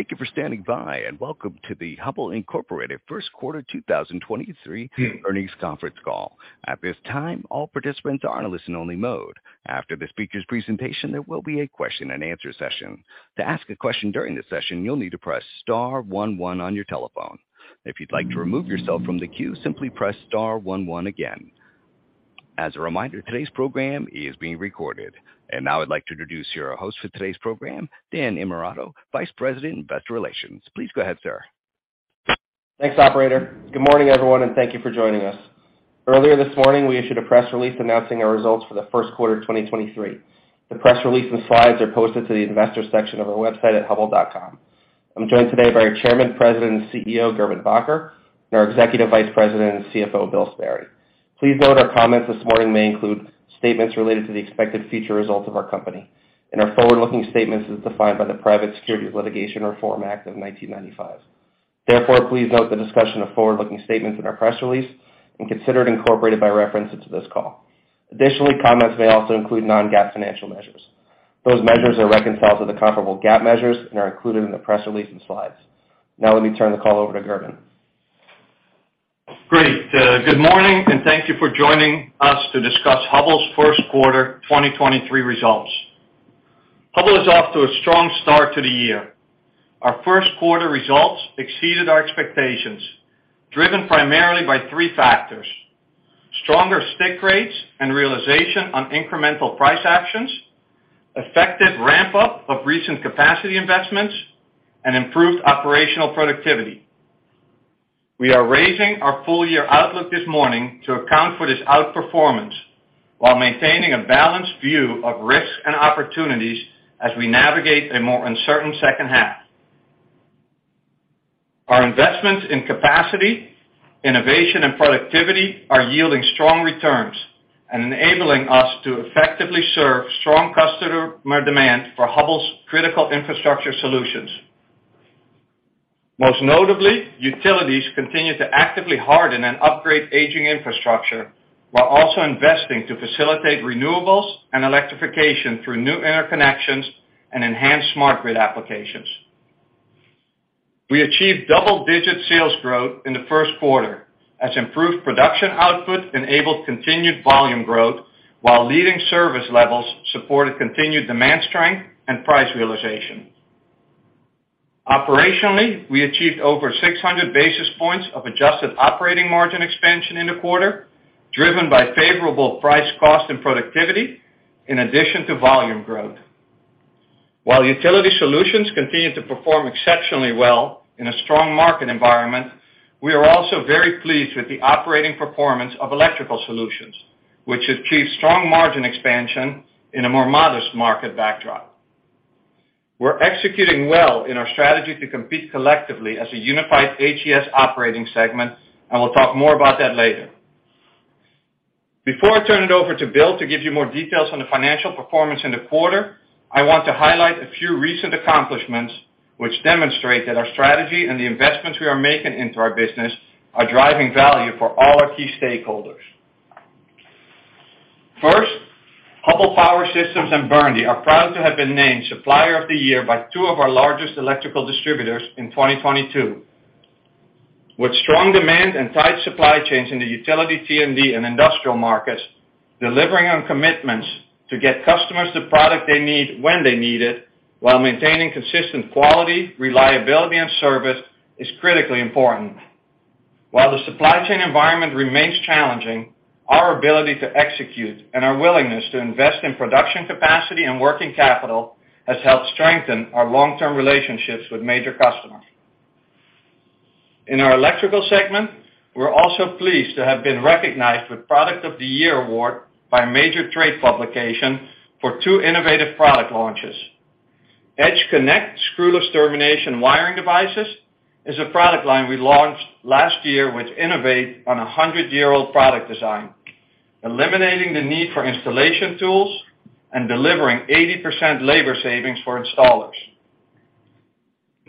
Thank you for standing by. Welcome to the Hubbell Incorporated First Quarter 2023 earnings conference call. At this time, all participants are on a listen-only mode. After the speaker's presentation, there will be a question-and-answer session. To ask a question during this session, you'll need to press star one one on your telephone. If you'd like to remove yourself from the queue, simply press star one one again. As a reminder, today's program is being recorded. Now I'd like to introduce your host for today's program, Dan Innamorato, Vice President, Investor Relations. Please go ahead, sir. Thanks, operator. Good morning, everyone, Thank you for joining us. Earlier this morning, we issued a press release announcing our results for the first quarter of 2023. The press release and slides are posted to the investor section of our website at hubbell.com. I'm joined today by our Chairman, President and CEO, Gerben Bakker, and our Executive Vice President and CFO, Bill Sperry. Please note our comments this morning may include statements related to the expected future results of our company and are forward-looking statements as defined by the Private Securities Litigation Reform Act of 1995. Please note the discussion of forward-looking statements in our press release and consider it incorporated by reference into this call. Comments may also include Non-GAAP financial measures. Those measures are reconciled to the comparable GAAP measures and are included in the press release and slides. Now let me turn the call over to Gerben. Great. Good morning, and thank you for joining us to discuss Hubbell's first quarter 2023 results. Hubbell is off to a strong start to the year. Our first quarter results exceeded our expectations, driven primarily by 3 factors: stronger stick rates and realization on incremental price actions, effective ramp-up of recent capacity investments, and improved operational productivity. We are raising our full-year outlook this morning to account for this outperformance while maintaining a balanced view of risks and opportunities as we navigate a more uncertain second half. Our investments in capacity, innovation, and productivity are yielding strong returns and enabling us to effectively serve strong customer demand for Hubbell's critical infrastructure solutions. Most notably, utilities continue to actively harden and upgrade aging infrastructure while also investing to facilitate renewables and electrification through new interconnections and enhanced smart grid applications. We achieved double-digit sales growth in the 1st quarter as improved production output enabled continued volume growth, while leading service levels supported continued demand strength and price realization. Operationally, we achieved over 600 basis points of adjusted operating margin expansion in the quarter, driven by favorable price, cost, and productivity in addition to volume growth. While utility solutions continue to perform exceptionally well in a strong market environment, we are also very pleased with the operating performance of electrical solutions, which achieved strong margin expansion in a more modest market backdrop. We're executing well in our strategy to compete collectively as a unified HES operating segment. We'll talk more about that later. Before I turn it over to Bill to give you more details on the financial performance in the quarter, I want to highlight a few recent accomplishments which demonstrate that our strategy and the investments we are making into our business are driving value for all our key stakeholders. First, Hubbell Power Systems and Burndy are proud to have been named Supplier of the Year by two of our largest electrical distributors in 2022. With strong demand and tight supply chains in the utility, T&D, and industrial markets, delivering on commitments to get customers the product they need when they need it, while maintaining consistent quality, reliability, and service, is critically important. While the supply chain environment remains challenging, our ability to execute and our willingness to invest in production capacity and working capital has helped strengthen our long-term relationships with major customers. In our electrical segment, we're also pleased to have been recognized with Product of the Year award by a major trade publication for 2 innovative product launches. EdgeConnect screwless termination wiring devices is a product line we launched last year, which innovate on a 100-year-old product design, eliminating the need for installation tools and delivering 80% labor savings for installers.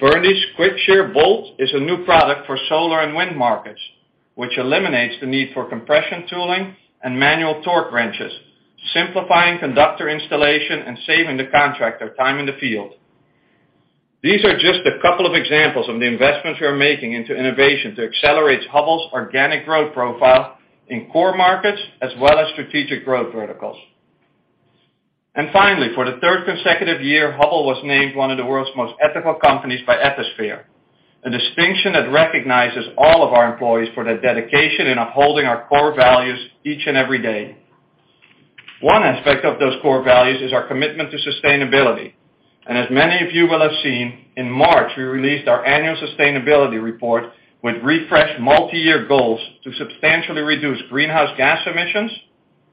Burndy's Quickshear Bolt is a new product for solar and wind markets, which eliminates the need for compression tooling and manual torque wrenches, simplifying conductor installation and saving the contractor time in the field. These are just a couple of examples of the investments we are making into innovation to accelerate Hubbell's organic growth profile in core markets as well as strategic growth verticals. Finally, for the third consecutive year, Hubbell was named one of the world's most ethical companies by Ethisphere, a distinction that recognizes all of our employees for their dedication in upholding our core values each and every day. One aspect of those core values is our commitment to sustainability. As many of you will have seen, in March, we released our annual sustainability report with refreshed multi-year goals to substantially reduce greenhouse gas emissions,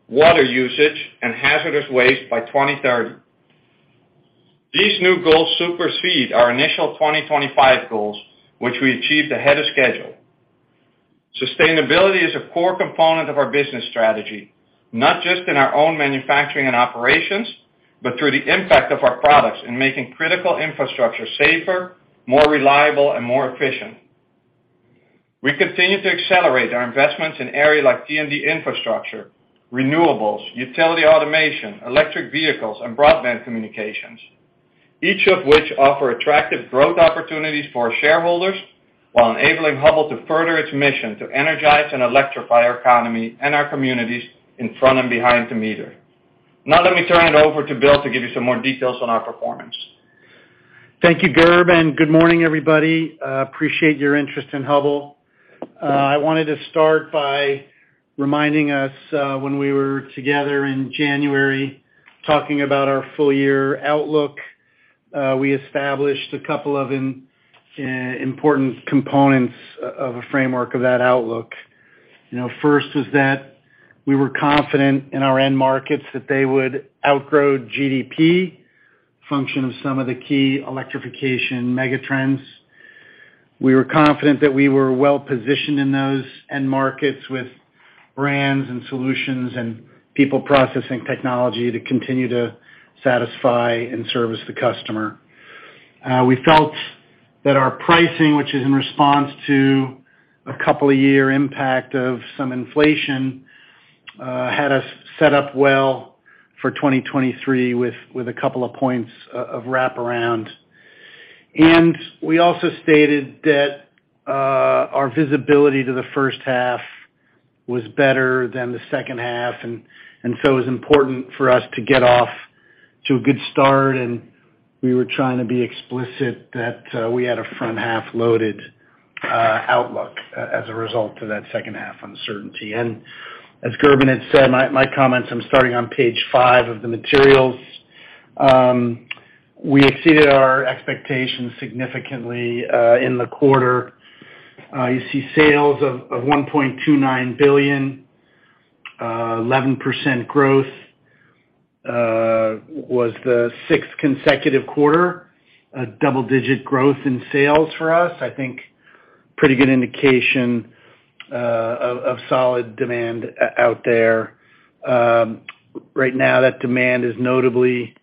water usage, and hazardous waste by 2030. These new goals supersede our initial 2025 goals, which we achieved ahead of schedule. Sustainability is a core component of our business strategy, not just in our own manufacturing and operations, but through the impact of our products in making critical infrastructure safer, more reliable, and more efficient. We continue to accelerate our investments in areas like T&D infrastructure, renewables, utility automation, electric vehicles, and broadband communications. Each of which offer attractive growth opportunities for our shareholders while enabling Hubbell to further its mission to energize and electrify our economy and our communities in front and behind the meter. Let me turn it over to Bill to give you some more details on our performance. Thank you, Gerben, good morning, everybody. Appreciate your interest in Hubbell. I wanted to start by reminding us, when we were together in January talking about our full year outlook. We established a couple of important components of a framework of that outlook. You know, first was that we were confident in our end markets that they would outgrow GDP, function of some of the key electrification mega trends. We were confident that we were well-positioned in those end markets with brands and solutions and people processing technology to continue to satisfy and service the customer. We felt that our pricing, which is in response to a couple of year impact of some inflation, had us set up well for 2023 with a couple of points of wraparound. We also stated that our visibility to the first half was better than the second half, so it was important for us to get off to a good start, and we were trying to be explicit that we had a front half-loaded outlook as a result of that second half uncertainty. As Gerben had said, my comments, I'm starting on page five of the materials. We exceeded our expectations significantly in the quarter. You see sales of $1.29 billion, 11% growth, was the sixth consecutive quarter, double-digit growth in sales for us. I think pretty good indication of solid demand out there. Right now that demand is notably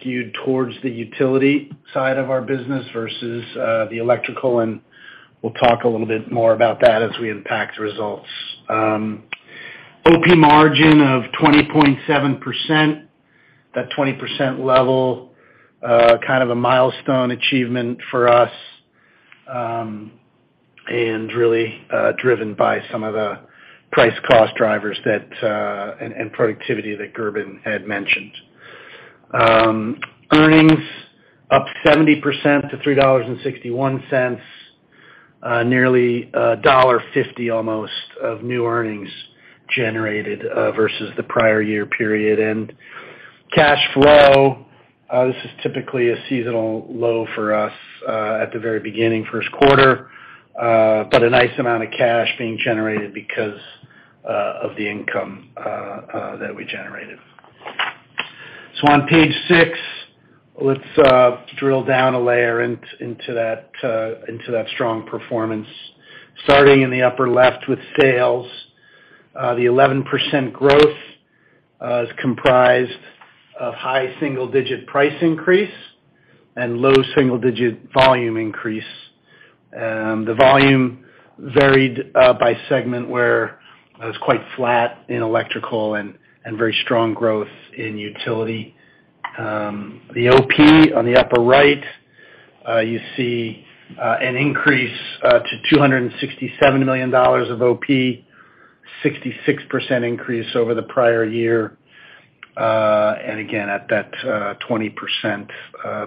skewed towards the utility side of our business versus the electrical, we'll talk a little bit more about that as we impact results. OP margin of 20.7%, that 20% level, kind of a milestone achievement for us, really driven by some of the price cost drivers that productivity that Gerben had mentioned. Earnings up 70% to $3.61, nearly $1.50 almost of new earnings generated versus the prior year period. Cash flow, this is typically a seasonal low for us, at the very beginning first quarter, but a nice amount of cash being generated because of the income that we generated. On page 6, let's drill down a layer into that strong performance. Starting in the upper left with sales, the 11% growth is comprised of high single-digit price increase and low single-digit volume increase. The volume varied by segment where it was quite flat in electrical and very strong growth in utility. The OP on the upper right, you see an increase to $267 million of OP, 66% increase over the prior year, and again at that 20%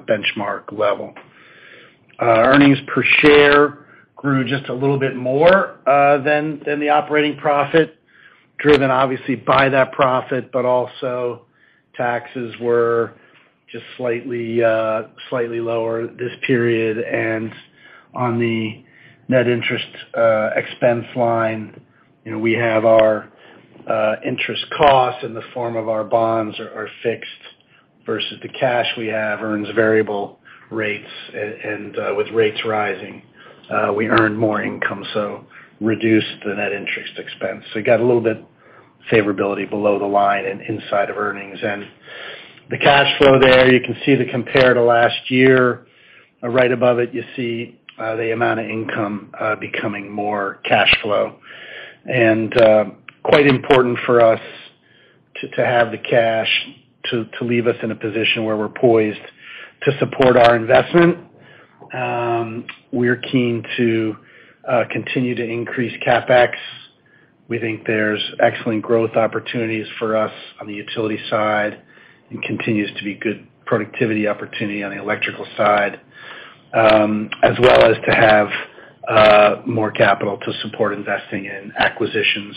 benchmark level. Earnings per share grew just a little bit more than the operating profit, driven obviously by that profit, but also taxes were just slightly lower this period. On the net interest expense line, you know, we have our interest costs in the form of our bonds are fixed versus the cash we have earns variable rates. With rates rising, we earn more income, so reduce the net interest expense. We got a little bit favorability below the line and inside of earnings. The cash flow there, you can see the compare to last year. Right above it, you see, the amount of income becoming more cash flow. Quite important for us to have the cash to leave us in a position where we're poised to support our investment. We're keen to continue to increase CapEx. We think there's excellent growth opportunities for us on the utility side and continues to be good productivity opportunity on the electrical side, as well as to have more capital to support investing in acquisitions.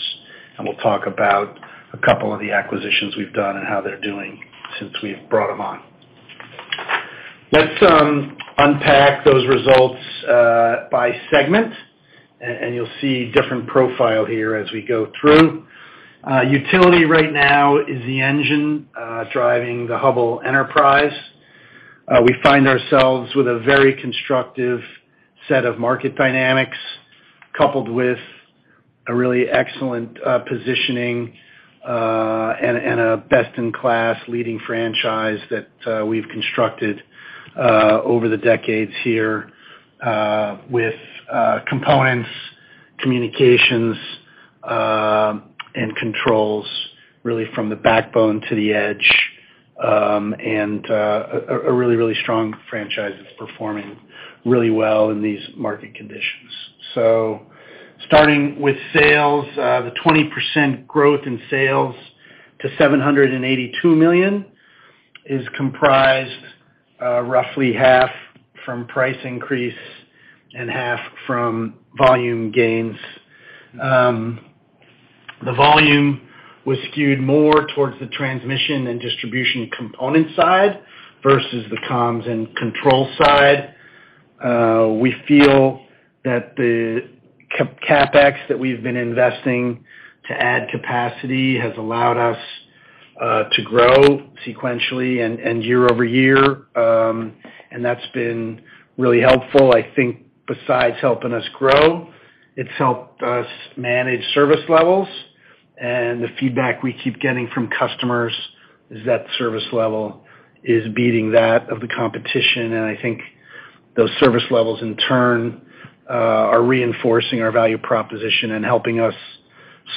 We'll talk about a couple of the acquisitions we've done and how they're doing since we've brought them on. Let's unpack those results by segment and you'll see different profile here as we go through. Utility right now is the engine driving the Hubbell enterprise. We find ourselves with a very constructive set of market dynamics coupled with a really excellent positioning, and a best-in-class leading franchise that we've constructed over the decades here, with components, communications, and controls really from the backbone to the edge, and a really, really strong franchise that's performing really well in these market conditions. Starting with sales, the 20% growth in sales to $782 million is comprised, roughly half from price increase and half from volume gains. The volume was skewed more towards the transmission and distribution component side versus the comms and control side. We feel that the CapEx that we've been investing to add capacity has allowed us to grow sequentially and year-over-year. And that's been really helpful. I think besides helping us grow, it's helped us manage service levels, and the feedback we keep getting from customers is that service level is beating that of the competition. I think those service levels, in turn, are reinforcing our value proposition and helping us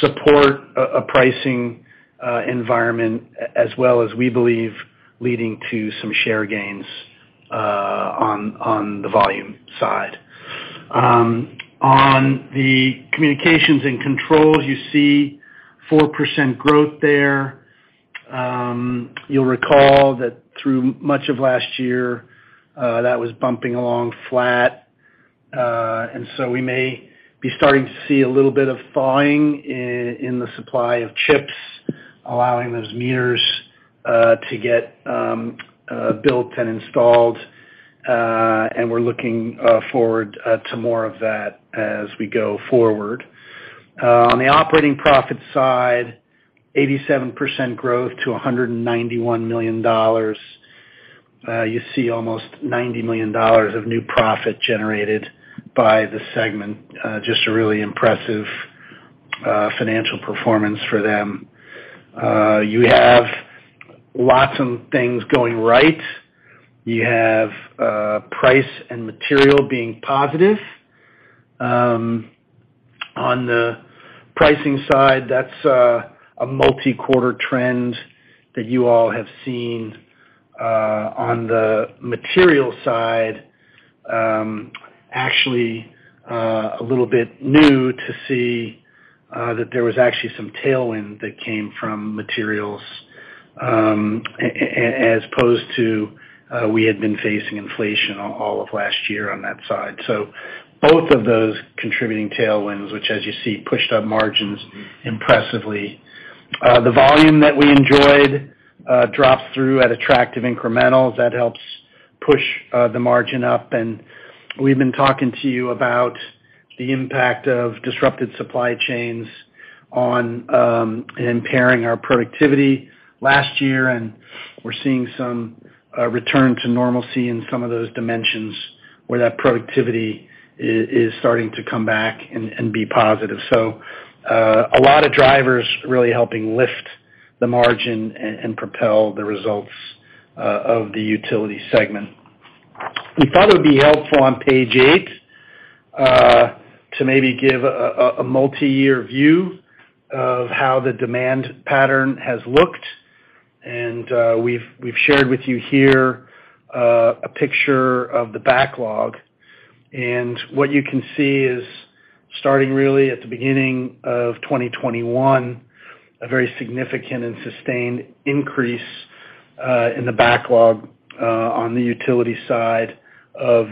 support a pricing environment as well as we believe leading to some share gains on the volume side. On the communications and controls, you see 4% growth there. You'll recall that through much of last year, that was bumping along flat. We may be starting to see a little bit of thawing in the supply of chips, allowing those meters to get built and installed, and we're looking forward to more of that as we go forward. On the operating profit side, 87% growth to $191 million. You see almost $90 million of new profit generated by the segment. Just a really impressive financial performance for them. You have lots of things going right. You have price and material being positive. On the pricing side, that's a multi-quarter trend that you all have seen. On the material side, actually, a little bit new to see that there was actually some tailwind that came from materials, as opposed to, we had been facing inflation all of last year on that side. Both of those contributing tailwinds, which as you see, pushed up margins impressively. The volume that we enjoyed, dropped through at attractive incrementals. That helps push the margin up. We've been talking to you about the impact of disrupted supply chains on impairing our productivity last year, and we're seeing some return to normalcy in some of those dimensions where that productivity is starting to come back and be positive. A lot of drivers really helping lift the margin and propel the results of the utility segment. We thought it would be helpful on page 8 to maybe give a multiyear view of how the demand pattern has looked. We've shared with you here a picture of the backlog. What you can see is starting really at the beginning of 2021, a very significant and sustained increase in the backlog on the utility side of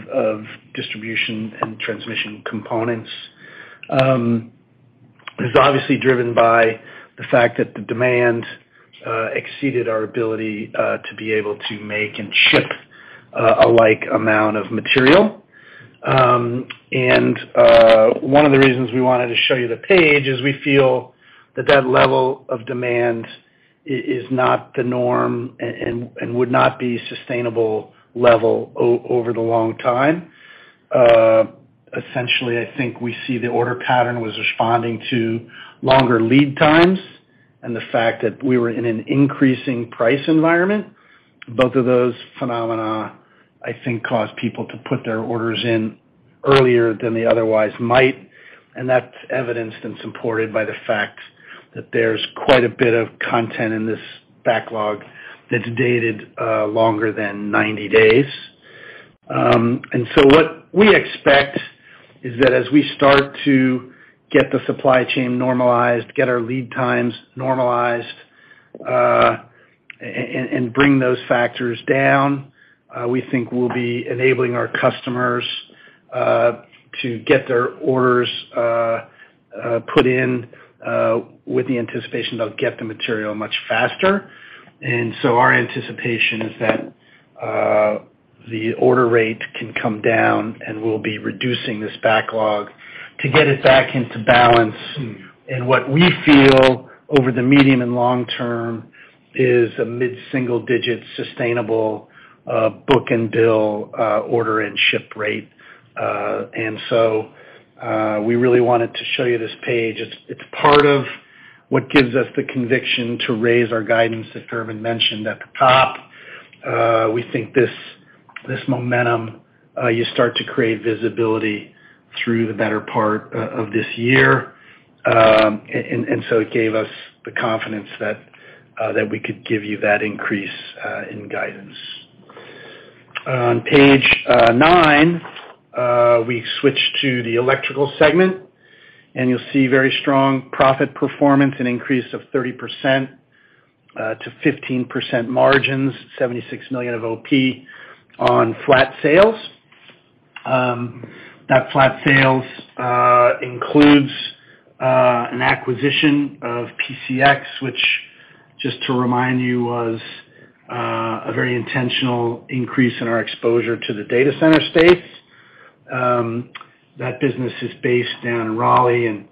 distribution and transmission components. It's obviously driven by the fact that the demand exceeded our ability to be able to make and ship a like amount of material. One of the reasons we wanted to show you the page is we feel that that level of demand is not the norm and would not be sustainable level over the long time. I think we see the order pattern was responding to longer lead times and the fact that we were in an increasing price environment. Both of those phenomena, I think, caused people to put their orders in earlier than they otherwise might, and that's evidenced and supported by the fact that there's quite a bit of content in this backlog that's dated longer than 90 days. What we expect is that as we start to get the supply chain normalized, get our lead times normalized, and bring those factors down, we think we'll be enabling our customers to get their orders put in with the anticipation they'll get the material much faster. Our anticipation is that the order rate can come down, and we'll be reducing this backlog to get it back into balance. What we feel over the medium and long term is a mid-single digit sustainable book and bill, order and ship rate. We really wanted to show you this page. It's part of what gives us the conviction to raise our guidance that Gerben mentioned at the top. We think this momentum, you start to create visibility through the better part of this year. It gave us the confidence that we could give you that increase in guidance. On page 9, we switch to the electrical segment, and you'll see very strong profit performance, an increase of 30% to 15% margins, $76 million of OP on flat sales. That flat sales includes an acquisition of PCX, which just to remind you, was a very intentional increase in our exposure to the data center space. That business is based down in Raleigh, and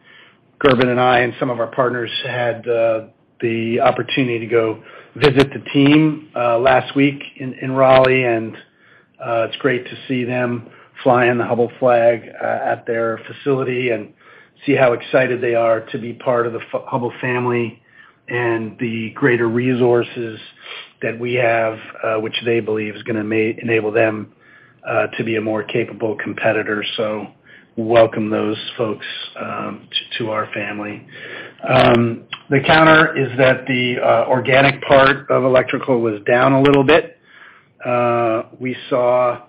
Gerben and I and some of our partners had the opportunity to go visit the team last week in Raleigh. It's great to see them flying the Hubbell flag at their facility and see how excited they are to be part of the Hubbell family and the greater resources that we have, which they believe is gonna enable them to be a more capable competitor. We welcome those folks to our family. The counter is that the organic part of electrical was down a little bit. We saw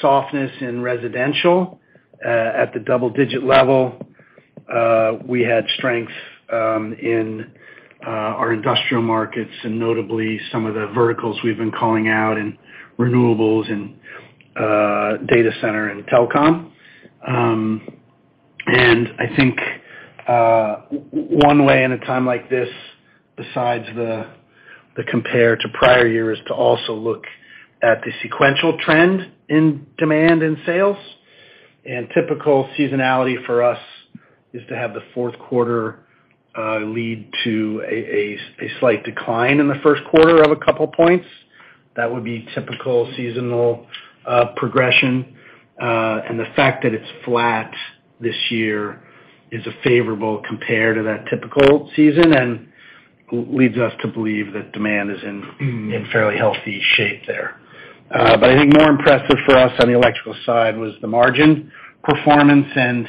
softness in residential at the double digit level. We had strength in our industrial markets and notably some of the verticals we've been calling out in renewables and data center and telecom. I think, one way in a time like this, besides the compare to prior year, is to also look at the sequential trend in demand in sales. Typical seasonality for us is to have the fourth quarter, lead to a slight decline in the first quarter of a couple points. That would be typical seasonal progression. The fact that it's flat this year is a favorable compare to that typical season and leads us to believe that demand is in fairly healthy shape there. But I think more impressive for us on the electrical side was the margin performance and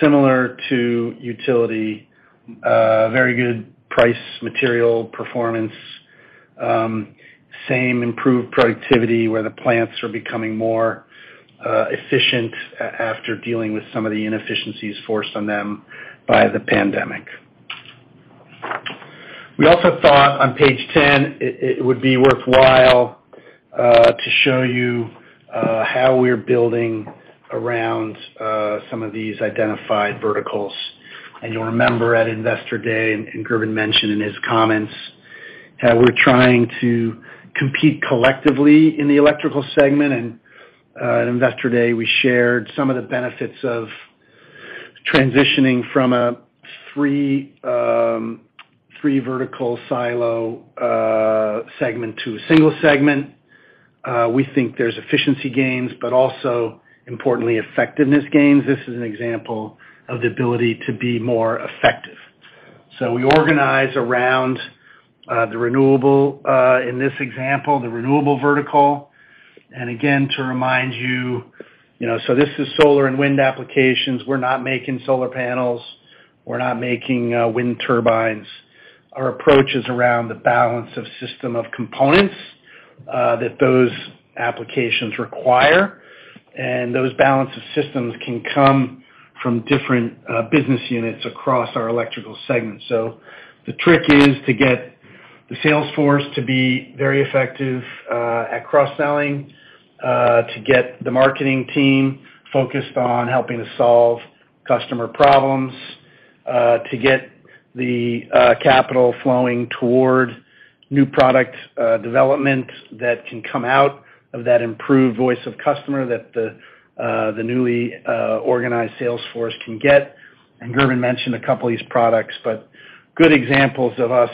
similar to utility, very good price material performance, same improved productivity where the plants are becoming more efficient after dealing with some of the inefficiencies forced on them by the pandemic. We also thought on page 10, it would be worthwhile to show you how we're building around some of these identified verticals. You'll remember at Investor Day, and Gerben mentioned in his comments, that we're trying to compete collectively in the electrical segment. At Investor Day, we shared some of the benefits of transitioning from a 3 vertical silo segment to a single segment. We think there's efficiency gains, but also importantly, effectiveness gains. This is an example of the ability to be more effective. We organize around the renewable, in this example, the renewable vertical. Again, to remind you know, so this is solar and wind applications. We're not making solar panels. We're not making wind turbines. Our approach is around the balance of system of components that those applications require, and those balance of systems can come from different business units across our electrical segment. The trick is to get the sales force to be very effective at cross-selling, to get the marketing team focused on helping to solve customer problems, to get the capital flowing toward new product development that can come out of that improved voice of customer that the newly organized sales force can get. Gerben mentioned a couple of these products, but good examples of us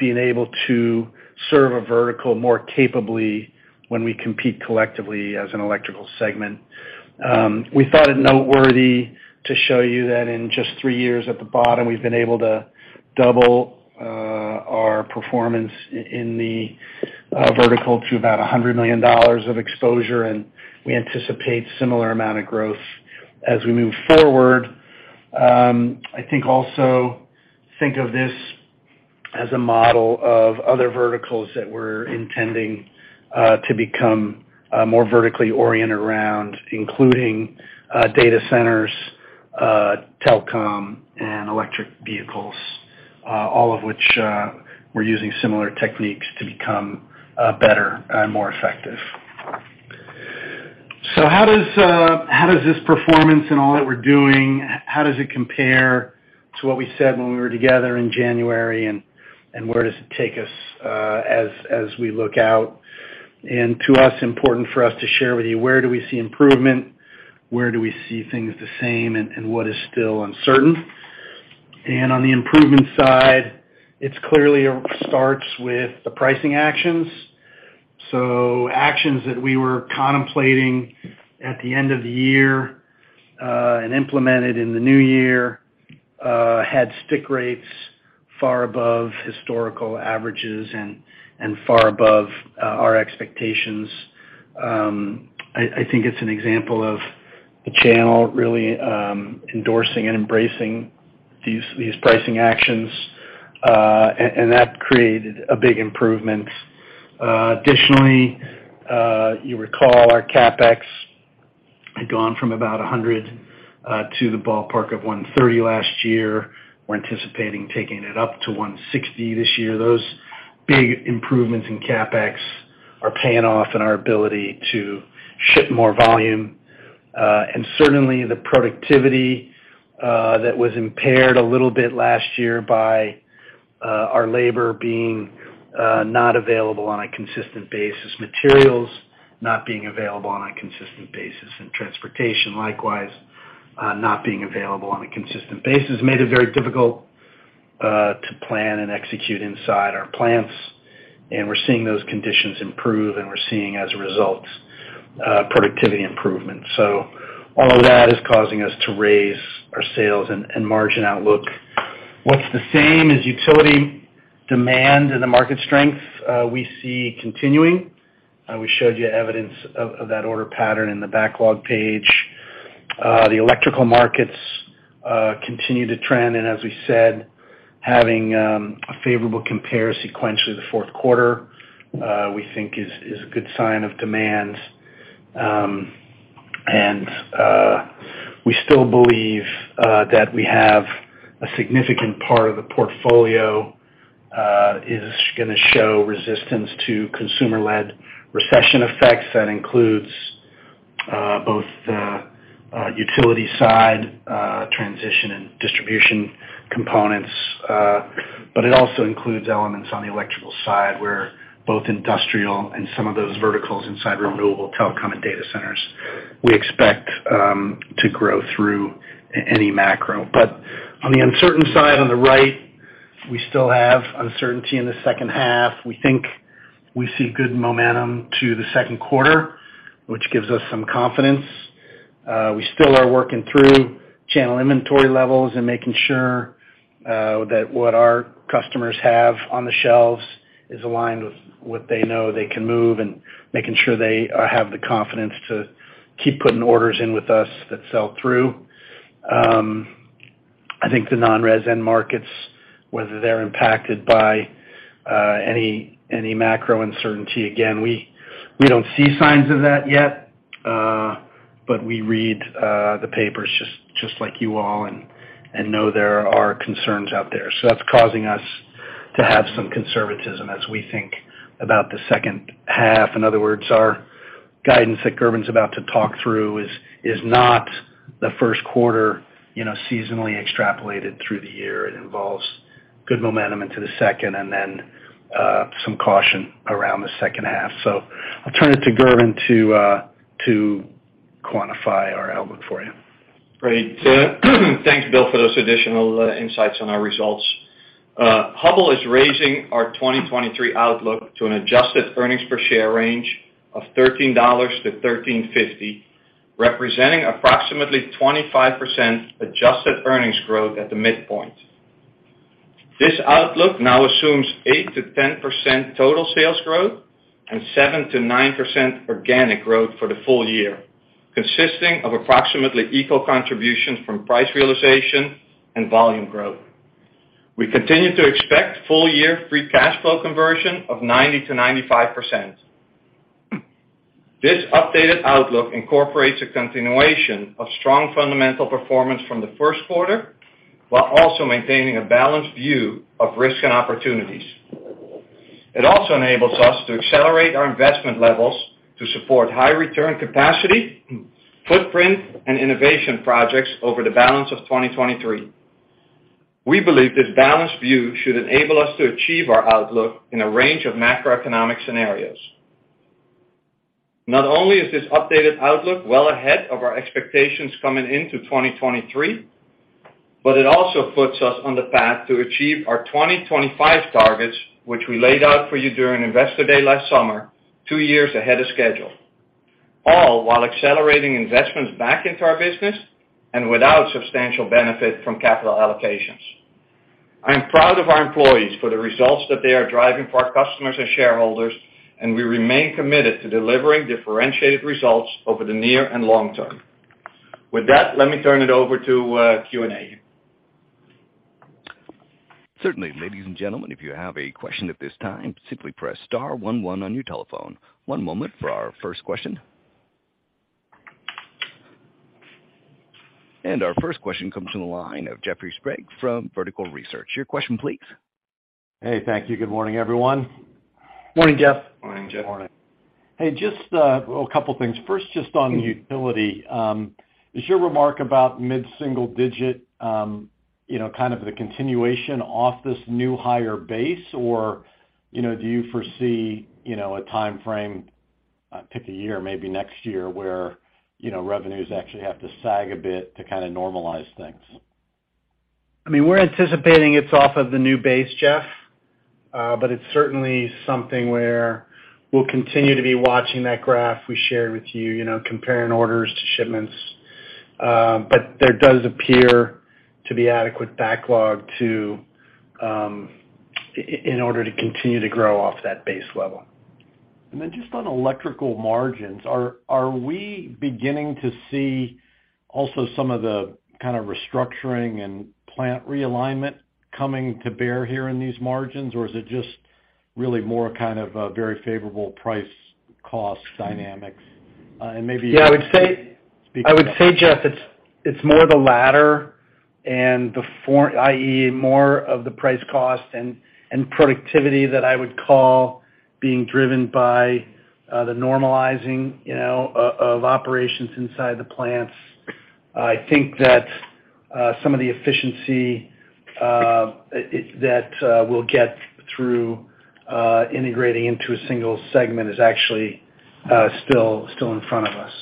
being able to serve a vertical more capably when we compete collectively as an electrical segment. We thought it noteworthy to show you that in just three years at the bottom, we've been able to double our performance in the vertical to about $100 million of exposure, and we anticipate similar amount of growth as we move forward. I think also think of this as a model of other verticals that we're intending to become more vertically oriented around, including data centers, telecom, and electric vehicles, all of which we're using similar techniques to become better and more effective. How does this performance and all that we're doing, how does it compare to what we said when we were together in January, and where does it take us as we look out? To us, important for us to share with you, where do we see improvement? Where do we see things the same, and what is still uncertain? On the improvement side, it's clearly starts with the pricing actions. Actions that we were contemplating at the end of the year, and implemented in the new year, had stick rates far above historical averages and far above our expectations. I think it's an example of the channel really endorsing and embracing these pricing actions. And that created a big improvement. Additionally, you recall our CapEx had gone from about $100 to the ballpark of $130 last year. We're anticipating taking it up to $160 this year. Those big improvements in CapEx are paying off in our ability to ship more volume. Certainly the productivity that was impaired a little bit last year by our labor being not available on a consistent basis, materials not being available on a consistent basis, and transportation likewise, not being available on a consistent basis, made it very difficult to plan and execute inside our plants. We're seeing those conditions improve, and we're seeing as a result, productivity improvement. All of that is causing us to raise our sales and margin outlook. What's the same is utility demand and the market strength we see continuing. We showed you evidence of that order pattern in the backlog page. The electrical markets continue to trend, and as we said, having a favorable compare sequentially to the fourth quarter, we think is a good sign of demand. And we still believe that we have a significant part of the portfolio is gonna show resistance to consumer-led recession effects. That includes both the utility side, Transmission and Distribution components, but it also includes elements on the electrical side, where both industrial and some of those verticals inside renewable telecom and data centers, we expect to grow through any macro. On the uncertain side, on the right, we still have uncertainty in the second half. We think we see good momentum to the second quarter, which gives us some confidence. We still are working through channel inventory levels and making sure that what our customers have on the shelves is aligned with what they know they can move, and making sure they have the confidence to keep putting orders in with us that sell through. I think the non-res end markets, whether they're impacted by any macro uncertainty, again, we don't see signs of that yet, but we read the papers just like you all and know there are concerns out there. That's causing us to have some conservatism as we think about the second half. In other words, our guidance that Gerben's about to talk through is not the first quarter, you know, seasonally extrapolated through the year. It involves good momentum into the second and then some caution around the second half. I'll turn it to Gerben to quantify our outlook for you. Great. Thanks, Bill, for those additional insights on our results. Hubbell is raising our 2023 outlook to an adjusted earnings per share range of $13-$13.50, representing approximately 25% adjusted earnings growth at the midpoint. This outlook now assumes 8%-10% total sales growth and 7%-9% organic growth for the full year, consisting of approximately equal contributions from price realization and volume growth. We continue to expect full-year free cash flow conversion of 90%-95%. This updated outlook incorporates a continuation of strong fundamental performance from the first quarter, while also maintaining a balanced view of risk and opportunities. It also enables us to accelerate our investment levels to support high return capacity, footprint, and innovation projects over the balance of 2023. We believe this balanced view should enable us to achieve our outlook in a range of macroeconomic scenarios. Not only is this updated outlook well ahead of our expectations coming into 2023, but it also puts us on the path to achieve our 2025 targets, which we laid out for you during Investor Day last summer, two years ahead of schedule, all while accelerating investments back into our business and without substantial benefit from capital allocations. I am proud of our employees for the results that they are driving for our customers and shareholders. We remain committed to delivering differentiated results over the near and long term. With that, let me turn it over to Q&A. Certainly. Ladies and gentlemen, if you have a question at this time, simply press star one one on your telephone. One moment for our first question. Our first question comes from the line of Jeffrey Sprague from Vertical Research. Your question, please. Hey, thank you. Good morning, everyone. Morning, Jeff. Morning, Jeff. Morning. Hey, just a couple things. First, just on utility, is your remark about mid-single digit, you know, kind of the continuation off this new higher base? You know, do you foresee, you know, a timeframe I pick a year, maybe next year, where, you know, revenues actually have to sag a bit to kinda normalize things? I mean, we're anticipating it's off of the new base, Jeff. It's certainly something where we'll continue to be watching that graph we shared with you know, comparing orders to shipments. There does appear to be adequate backlog to, in order to continue to grow off that base level. Just on electrical margins, are we beginning to see also some of the kind of restructuring and plant realignment coming to bear here in these margins? Or is it just really more kind of a very favorable price cost dynamics? Yeah, I would say, Jeff, it's more the latter i.e., more of the price cost and productivity that I would call being driven by the normalizing, you know, of operations inside the plants. I think that some of the efficiency that we'll get through integrating into a single segment is actually still in front of us.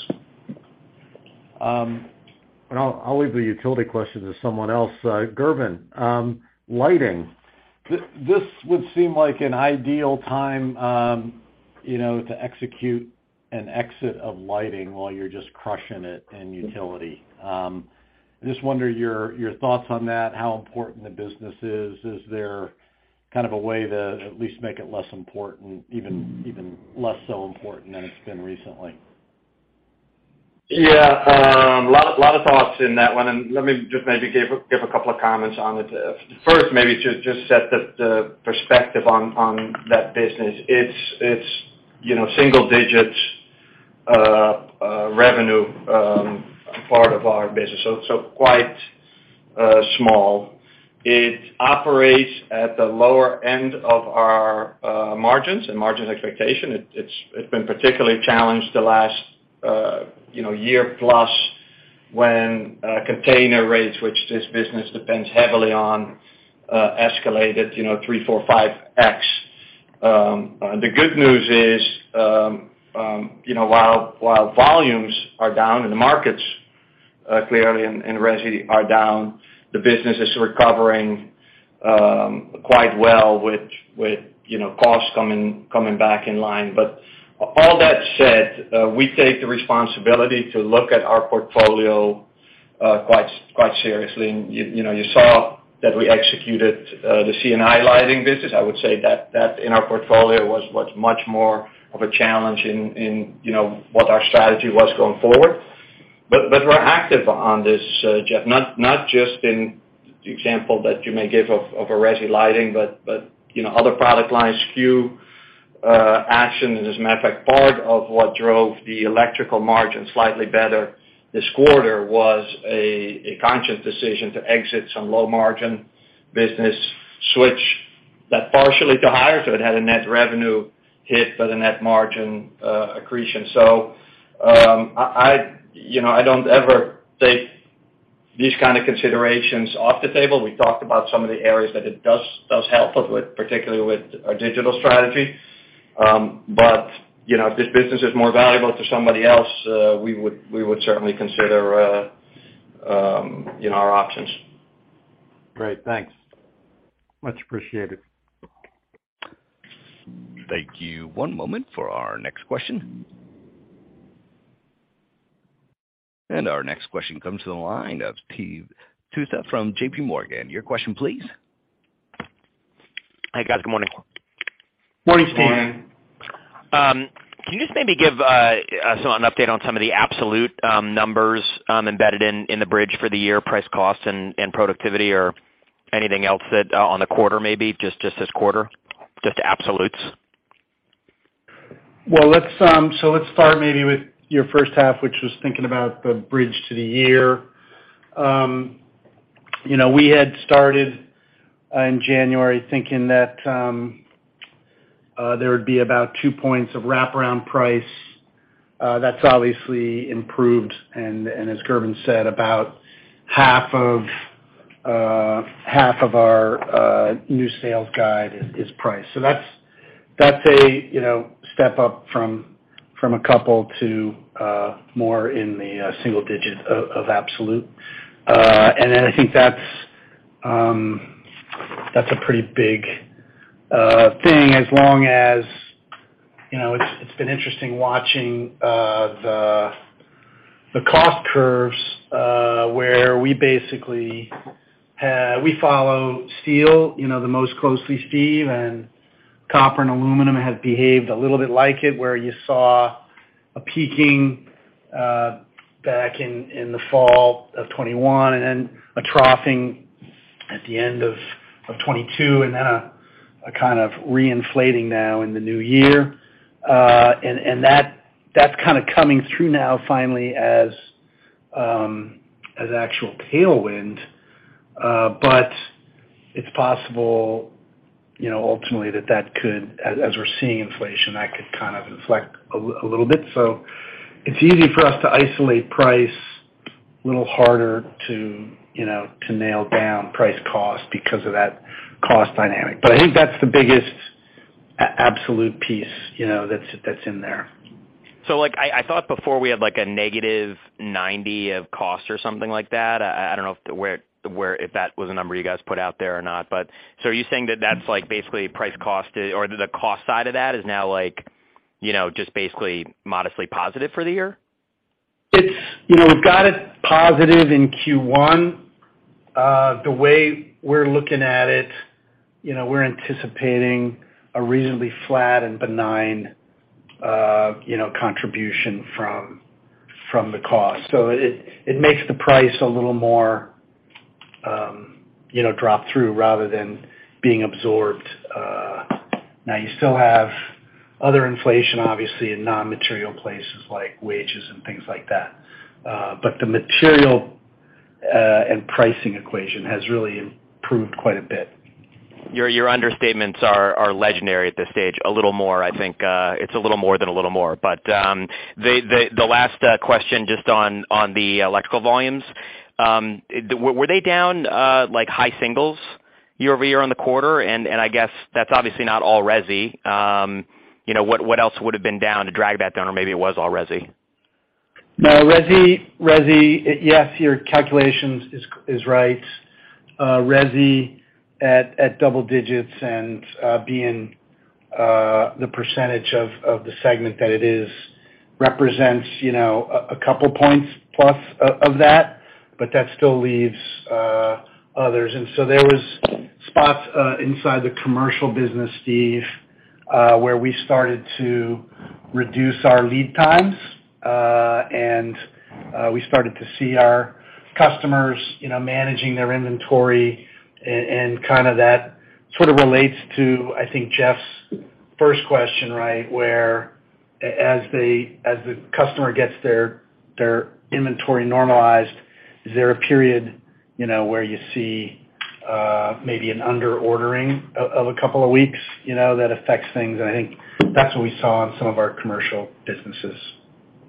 I'll leave the utility question to someone else. Gerben, lighting. This would seem like an ideal time, you know, to execute an exit of lighting while you're just crushing it in utility. I just wonder your thoughts on that, how important the business is. Is there kind of a way to at least make it less important, even less so important than it's been recently? Yeah. A lot of thoughts in that one, and let me just maybe give a couple of comments on it. First, maybe to just set the perspective on that business. It's, you know, single-digits revenue part of our business, so quite small. It operates at the lower end of our margins and margin expectation. It's been particularly challenged the last, you know, year-plus when container rates, which this business depends heavily on, escalated, you know, 3, 4, 5x. The good news is, you know, while volumes are down and the markets clearly and resi are down, the business is recovering quite well with, you know, costs coming back in line. All that said, we take the responsibility to look at our portfolio quite seriously. You know, you saw that we executed the C&I lighting business. I would say that in our portfolio was much more of a challenge in, you know, what our strategy was going forward. We're active on this, Jeff. Not just in the example that you may give of a resi lighting, but, you know, other product lines, SKU action. As a matter of fact, part of what drove the electrical margin slightly better this quarter was a conscious decision to exit some low margin business switch that partially to higher. It had a net revenue hit, but a net margin accretion. I... you know, I don't ever take these kind of considerations off the table. We talked about some of the areas that it does help us with, particularly with our digital strategy. you know, if this business is more valuable to somebody else, we would certainly consider, you know, our options. Great. Thanks. Much appreciated. Thank you. One moment for our next question. Our next question comes to the line of Steve Tusa from J.P. Morgan. Your question please. Hi, guys. Good morning. Morning, Steve. Morning. Can you just maybe give an update on some of the absolute numbers, embedded in the bridge for the year, price, cost and productivity or anything else that, on the quarter, maybe? Just this quarter, just absolutes. Let's so let's start maybe with your first half, which was thinking about the bridge to the year. You know, we had started in January thinking that there would be about 2 points of wraparound price. That's obviously improved. As Gerben said, about half of half of our new sales guide is price. That's a, you know, step up from a couple to more in the single digit of absolute. Then I think that's a pretty big thing as long as, you know... It's, it's been interesting watching the cost curves, where we basically follow steel, you know, the most closely, Steve, and copper and aluminum have behaved a little bit like it, where you saw a peaking back in the fall of '21 and a troughing at the end of '22, and then a kind of reinflating now in the new year. That's kind of coming through now finally as actual tailwind. It's possible, you know, ultimately that could, as we're seeing inflation, that could kind of inflect a little bit. It's easy for us to isolate price, little harder to, you know, to nail down price cost because of that cost dynamic. I think that's the biggest absolute piece, you know, that's in there. Like, I thought before we had, like, a -90 of cost or something like that. I don't know if where if that was a number you guys put out there or not? Are you saying that that's, like, basically price cost, or the cost side of that is now like, you know, just basically modestly positive for the year? It's, you know, we've got it positive in Q1. The way we're looking at it, you know, we're anticipating a reasonably flat and benign, you know, contribution from the cost. It makes the price a little more, you know, drop through rather than being absorbed. Now you still have other inflation, obviously, in non-material places like wages and things like that. But the material, and pricing equation has really improved quite a bit. Your understatements are legendary at this stage. A little more, I think. It's a little more than a little more. The last question just on the electrical volumes. Were they down like high singles year-over-year on the quarter? I guess that's obviously not all resi. You know, what else would've been down to drag that down? Maybe it was all resi. No, resi... Yes, your calculations is right. Resi at double digits and being the percentage of the segment that it is represents, you know, a couple points plus of that, but that still leaves others. So there was spots inside the commercial business, Steve, where we started to reduce our lead times and we started to see our customers, you know, managing their inventory and kind of that sort of relates to, I think, Jeff's first question, right? Where as the customer gets their inventory normalized, is there a period, you know, where you see maybe an under ordering of a couple of weeks, you know, that affects things? I think that's what we saw on some of our commercial businesses.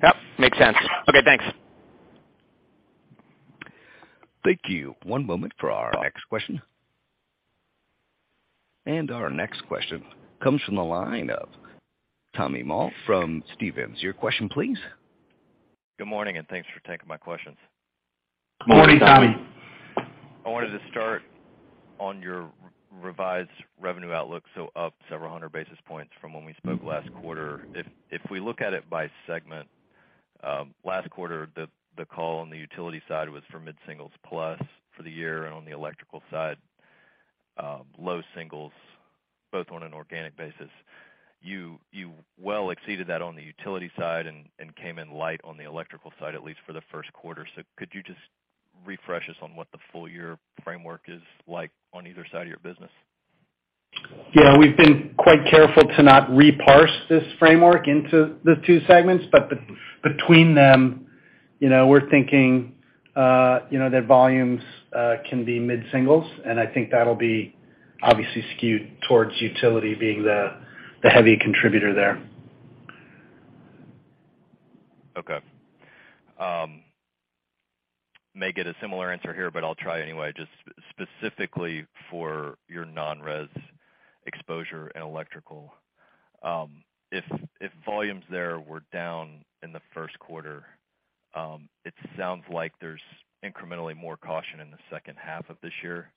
Yep, makes sense. Okay, thanks. Thank you. One moment for our next question. Our next question comes from the line of Tommy Moll from Stephens. Your question please. Good morning, thanks for taking my questions. Morning, Tommy. I wanted to start on your revised revenue outlook, so up several hundred basis points from when we spoke last quarter. If we look at it by segment, last quarter, the call on the utility side was for mid-singles plus for the year and on the electrical side, low singles, both on an organic basis. You well exceeded that on the utility side and came in light on the electrical side, at least for the first quarter. Could you just refresh us on what the full year framework is like on either side of your business? Yeah. We've been quite careful to not reparse this framework into the two segments. Between them, you know, we're thinking, you know, that volumes can be mid-singles, and I think that'll be obviously skewed towards Utility being the heavy contributor there. Okay. may get a similar answer here, but I'll try anyway. Just specifically for your non-res exposure and electrical. If volumes there were down in the first quarter, it sounds like there's incrementally more caution in the second half of this year.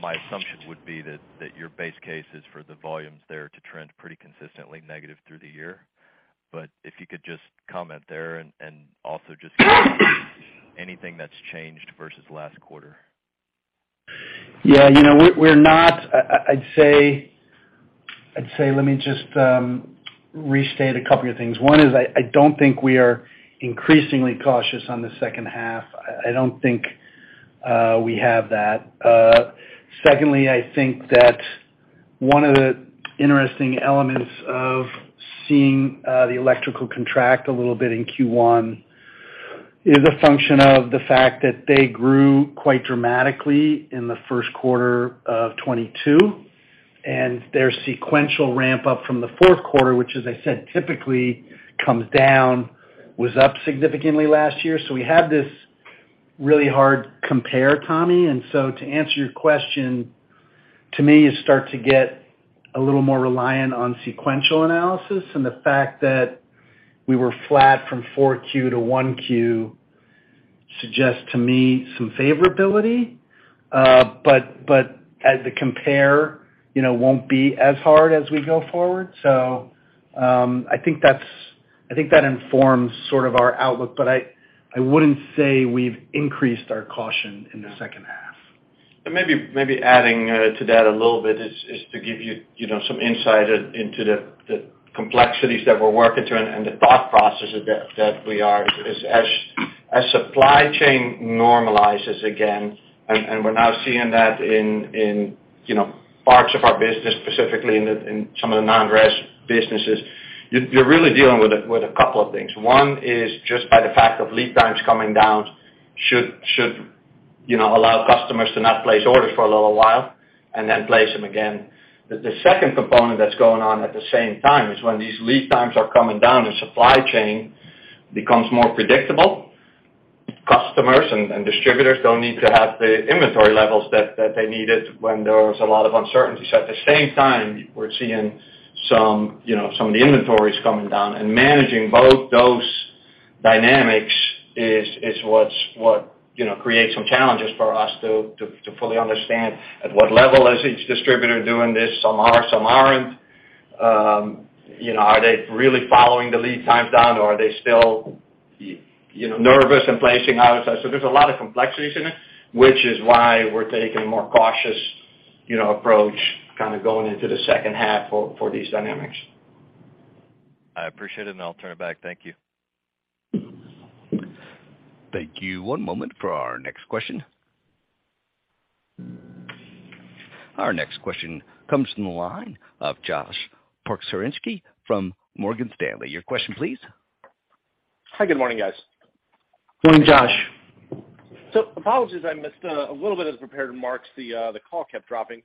My assumption would be that your base case is for the volumes there to trend pretty consistently negative through the year. If you could just comment there and also just anything that's changed versus last quarter. Yeah. You know, we're not. I'd say let me just restate a couple of things. One is, I don't think we are increasingly cautious on the second half. I don't think we have that. Secondly, I think that one of the interesting elements of seeing the electrical contract a little bit in Q1 is a function of the fact that they grew quite dramatically in the first quarter of 2022, and their sequential ramp up from the fourth quarter, which as I said, typically comes down, was up significantly last year. We have this really hard compare, Tommy. To answer your question, to me, you start to get a little more reliant on sequential analysis and the fact that we were flat from 4Q to 1Q suggests to me some favorability. As the compare, you know, won't be as hard as we go forward. I think that informs sort of our outlook, but I wouldn't say we've increased our caution in the second half. Maybe adding to that a little bit is to give you know, some insight into the complexities that we're working through and the thought processes that we are. As supply chain normalizes again, and we're now seeing that in, you know, parts of our business, specifically in some of the non-res businesses, you're really dealing with a couple of things. One is just by the fact of lead times coming down should You know, allow customers to not place orders for a little while and then place them again. The second component that's going on at the same time is when these lead times are coming down, the supply chain becomes more predictable. Customers and distributors don't need to have the inventory levels that they needed when there was a lot of uncertainty. At the same time, we're seeing some, you know, some of the inventories coming down and managing both those dynamics is what's what, you know, creates some challenges for us to fully understand at what level is each distributor doing this. Some are, some aren't. You know, are they really following the lead times down, or are they still, you know, nervous and placing outside? There's a lot of complexities in it, which is why we're taking a more cautious, you know, approach kind of going into the second half for these dynamics. I appreciate it, and I'll turn it back. Thank you. Thank you. One moment for our next question. Our next question comes from the line of Josh Pokrzywinski from Morgan Stanley. Your question, please. Hi. Good morning, guys. Morning, Josh. Apologies, I missed a little bit of the prepared remarks, the call kept dropping.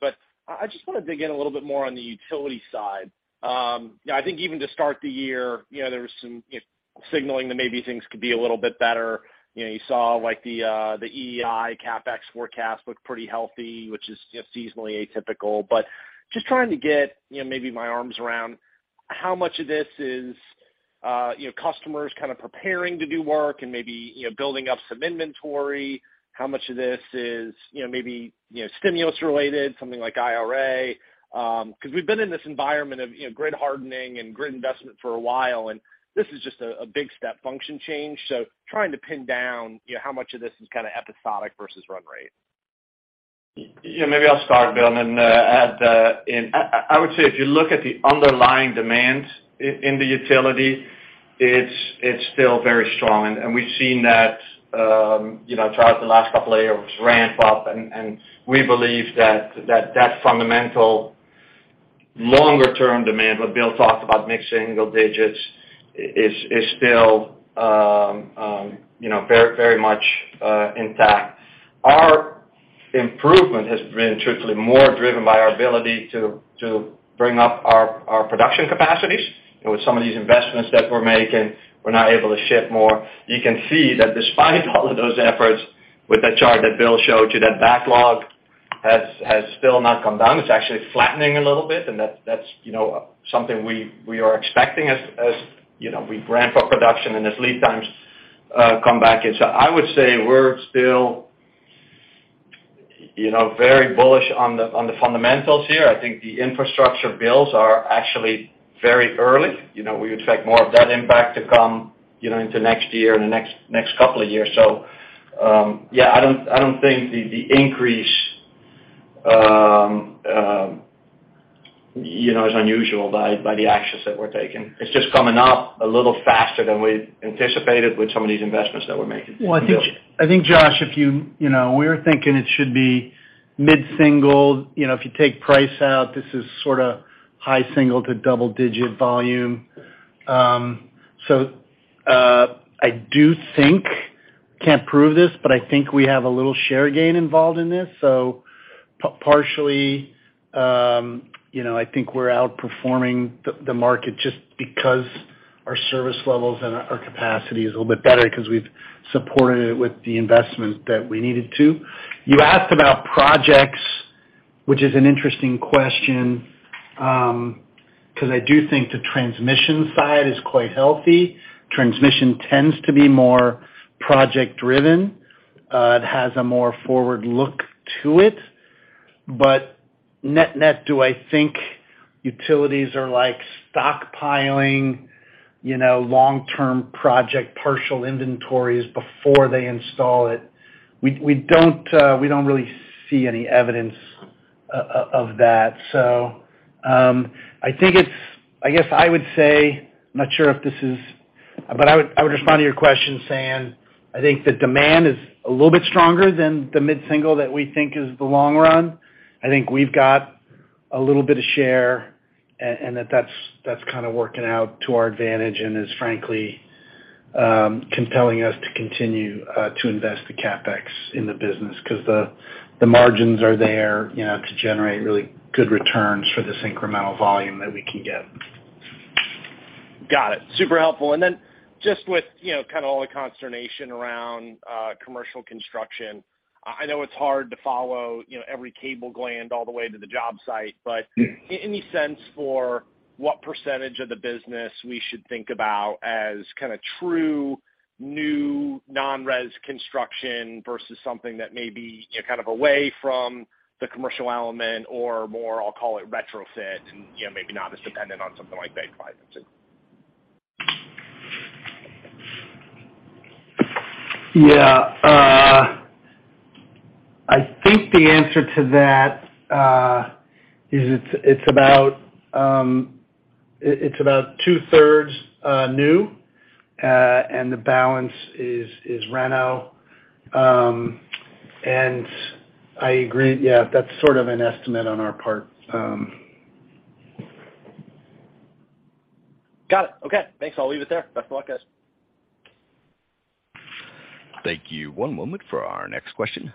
I just wanna dig in a little bit more on the utility side. You know, I think even to start the year, you know, there was some, you know, signaling that maybe things could be a little bit better. You know, you saw like the EEI CapEx forecast looked pretty healthy, which is, you know, seasonally atypical. Just trying to get, you know, maybe my arms around how much of this is, you know, customers kind of preparing to do work and maybe, you know, building up some inventory. How much of this is, you know, maybe, you know, stimulus related, something like IRA? 'Cause we've been in this environment of, you know, grid hardening and grid investment for a while, and this is just a big step function change. Trying to pin down, you know, how much of this is kind of episodic versus run rate. Maybe I'll start, Bill, and add in. I would say if you look at the underlying demand in the utility, it's still very strong. We've seen that, you know, throughout the last couple of years ramp up, and we believe that fundamental longer term demand, what Bill talked about, mid-single digits is still, you know, very much intact. Our improvement has been truthfully more driven by our ability to bring up our production capacities. You know, with some of these investments that we're making, we're now able to ship more. You can see that despite all of those efforts, with that chart that Bill showed you, that backlog has still not come down. It's actually flattening a little bit, and that's, you know, something we are expecting as, you know, we ramp up production and as lead times come back in. I would say we're still, you know, very bullish on the, on the fundamentals here. I think the infrastructure bills are actually very early. You know, we expect more of that impact to come, you know, into next year and the next couple of years. Yeah, I don't, I don't think the increase, you know, is unusual by the actions that we're taking. It's just coming up a little faster than we anticipated with some of these investments that we're making. I think, Josh, if you know, we were thinking it should be mid-single. You know, if you take price out, this is sort of high single to double digit volume. I do think, can't prove this, but I think we have a little share gain involved in this. You know, I think we're outperforming the market just because our service levels and our capacity is a little bit better 'cause we've supported it with the investment that we needed to. You asked about projects, which is an interesting question, 'cause I do think the transmission side is quite healthy. Transmission tends to be more project driven. It has a more forward look to it. Net-net, do I think utilities are like stockpiling, you know, long-term project partial inventories before they install it? We don't really see any evidence of that. I think it's, I guess I would say, I'm not sure if this is, but I would respond to your question saying, I think the demand is a little bit stronger than the mid-single that we think is the long run. I think we've got a little bit of share and that's kind of working out to our advantage and is frankly, compelling us to continue to invest the CapEx in the business 'cause the margins are there, you know, to generate really good returns for this incremental volume that we can get. Got it. Super helpful. Then just with, you know, kind of all the consternation around, commercial construction, I know it's hard to follow, you know, every cable gland all the way to the job site. Any sense for what % of the business we should think about as kind of true new non-res construction versus something that may be, you know, kind of away from the commercial element or more, I'll call it retrofit and, you know, maybe not as dependent on something like bank financing? Yeah. I think the answer to that, is it's about, it's about two-thirds new, and the balance is reno. I agree. Yeah, that's sort of an estimate on our part. Got it. Okay, thanks. I'll leave it there. Best of luck, guys. Thank you. One moment for our next question.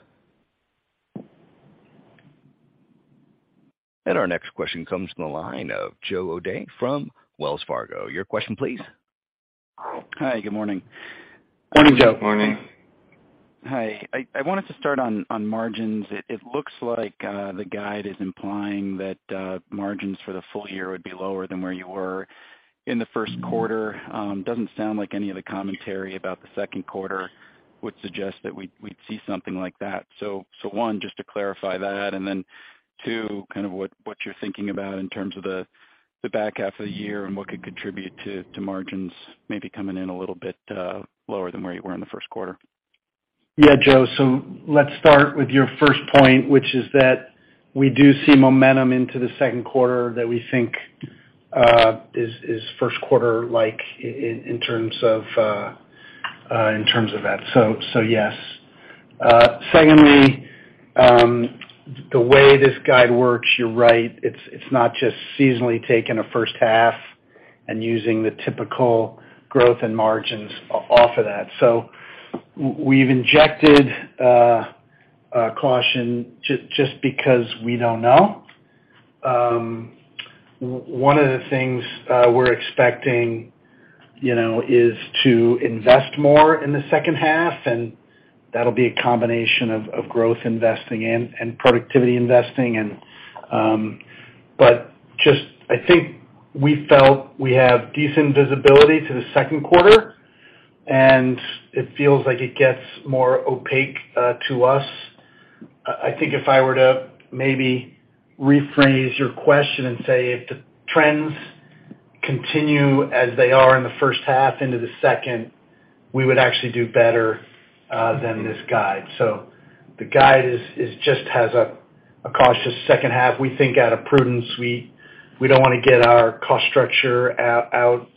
Our next question comes from the line of Joe O'Dea from Wells Fargo. Your question please. Hi, good morning. Morning, Joe. Morning. Hi. I wanted to start on margins. It looks like the guide is implying that margins for the full year would be lower than where you were in the first quarter. Doesn't sound like any of the commentary about the second quarter would suggest that we'd see something like that. One, just to clarify that, then two, kind of what you're thinking about in terms of the back half of the year and what could contribute to margins maybe coming in a little bit lower than where you were in the first quarter. Yeah. Joe, let's start with your first point, which is that we do see momentum into the second quarter that we think is first quarter like in terms of that. Yes. Secondly, the way this guide works, you're right. It's not just seasonally taking a first half and using the typical growth in margins of that. We've injected a caution just because we don't know. One of the things we're expecting, you know, is to invest more in the second half, and that'll be a combination of growth investing and productivity investing and... Just I think we felt we have decent visibility to the second quarter, and it feels like it gets more opaque to us. I think if I were to maybe rephrase your question and say if the trends continue as they are in the first half into the second, we would actually do better than this guide. The guide is just has a cautious second half. We think out of prudence, we don't wanna get our cost structure out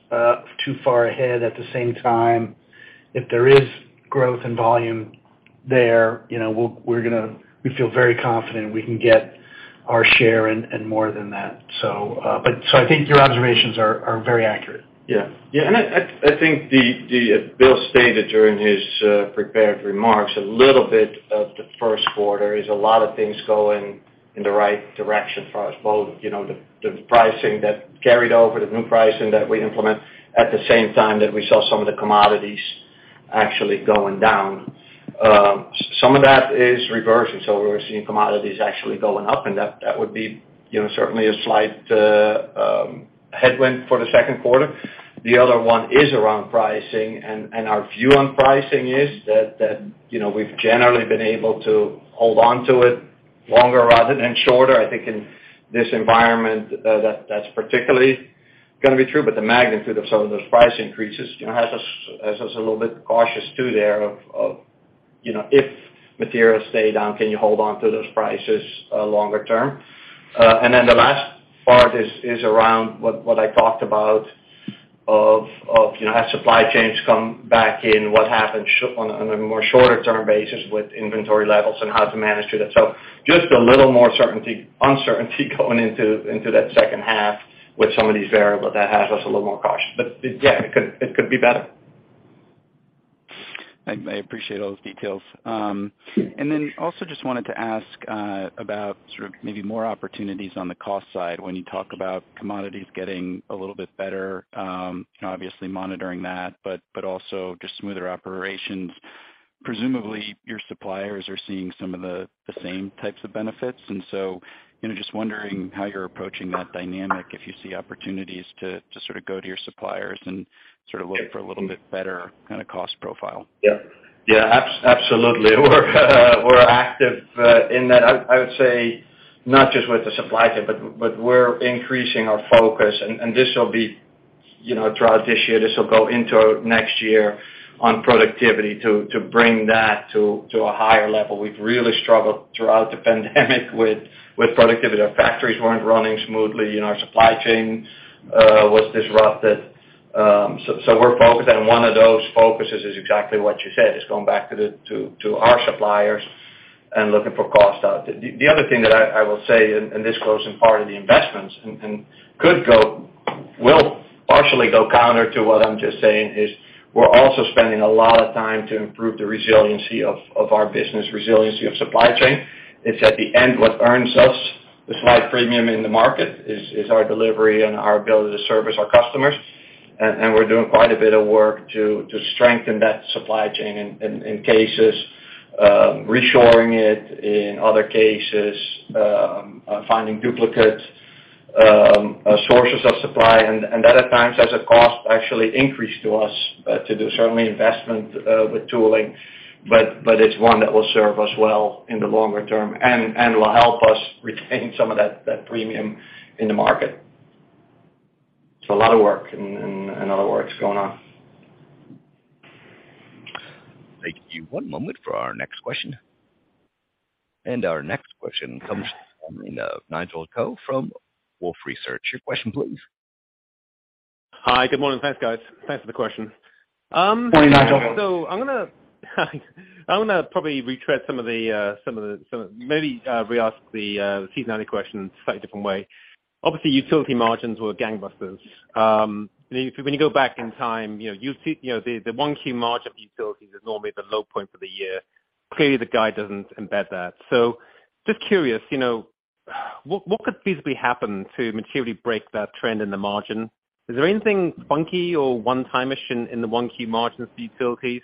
too far ahead. At the same time, if there is growth and volume there, you know, we feel very confident we can get our share and more than that. I think your observations are very accurate. Yeah. Yeah. I think the Bill stated during his prepared remarks, a little bit of the first quarter is a lot of things going in the right direction for us, both, you know, the pricing that carried over, the new pricing that we implement at the same time that we saw some of the commodities actually going down. Some of that is reversing, so we're seeing commodities actually going up, and that would be, you know, certainly a slight headwind for the second quarter. The other one is around pricing. Our view on pricing is that, you know, we've generally been able to hold onto it longer rather than shorter. I think in this environment, that's particularly gonna be true, but the magnitude of some of those price increases, you know, has us a little bit cautious too there of, you know, if materials stay down, can you hold on to those prices longer term? Then the last part is around what I talked about of, you know, as supply chains come back in, what happens on a more shorter term basis with inventory levels and how to manage through that. Just a little more uncertainty going into that second half with some of these variables that has us a little more cautious. Yeah, it could be better. I appreciate all those details. Also just wanted to ask about sort of maybe more opportunities on the cost side. When you talk about commodities getting a little bit better, you know, obviously monitoring that, but also just smoother operations. Presumably your suppliers are seeing some of the same types of benefits, and so, you know, just wondering how you're approaching that dynamic if you see opportunities to sort of go to your suppliers and sort of look for a little bit better kind of cost profile. Yeah. Yeah. Absolutely. We're active in that. I would say not just with the supply chain, but we're increasing our focus and this will be, you know, throughout this year. This will go into next year on productivity to bring that to a higher level. We've really struggled throughout the pandemic with productivity. Our factories weren't running smoothly, and our supply chain was disrupted. We're focused, and one of those focuses is exactly what you said, is going back to our suppliers and looking for cost out. The other thing that I will say in this closing part of the investments and will partially go counter to what I'm just saying is we're also spending a lot of time to improve the resiliency of our business, resiliency of supply chain. It's at the end what earns us the slight premium in the market is our delivery and our ability to service our customers. We're doing quite a bit of work to strengthen that supply chain in cases, reshoring it, in other cases, finding duplicate sources of supply. That at times has a cost actually increase to us, to do certainly investment, with tooling, but it's one that will serve us well in the longer term and will help us retain some of that premium in the market. A lot of work and a lot of work's going on. Thank you. One moment for our next question. Our next question comes from Nigel Coe from Wolfe Research. Your question please. Hi. Good morning. Thanks, guys. Thanks for the question. I'm gonna probably retread some of the... Maybe re-ask the seasonality question in a slightly different way. Obviously, utility margins were gangbusters. When you go back in time, you know, you see, you know, the 1Q margin for utilities is normally the low point for the year. Clearly, the guide doesn't embed that. Just curious, you know, what could feasibly happen to materially break that trend in the margin? Is there anything funky or one-time issue in the 1Q margins for utilities?